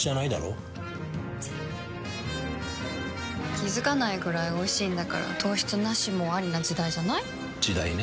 気付かないくらいおいしいんだから糖質ナシもアリな時代じゃない？時代ね。